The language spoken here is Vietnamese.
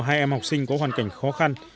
hai em học sinh có hoàn cảnh khó khăn